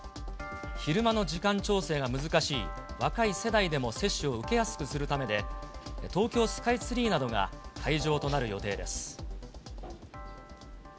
昼間の時間調整が難しい若い世代でも接種を受けやすくするためで、東京スカイツリーなどが会場となる予定です。